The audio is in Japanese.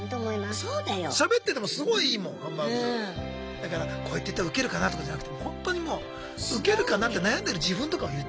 だからこうやって言った方がウケるかなとかじゃなくてほんとにもうウケるかなって悩んでる自分とかを言っちゃうとか。